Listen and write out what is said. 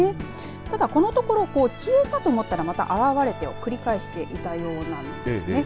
ただ、このところ消えたと思ったらまた現れてを繰り返していたようなんですね。